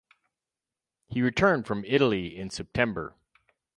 He returned from Italy in September.